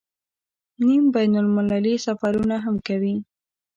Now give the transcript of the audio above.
نیم بین المللي سفرونه هم کوي.